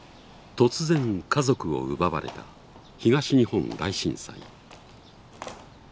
突然家族を奪われた東日本大震災。